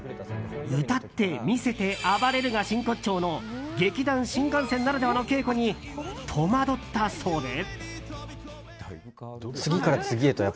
歌って、魅せて、暴れるが真骨頂の劇団☆新感線ならではの稽古に戸惑ったそうで。